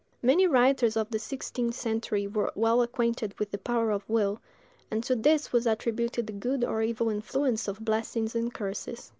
Many writers of the sixteenth century were well acquainted with the power of will, and to this was attributed the good or evil influence of blessings and curses.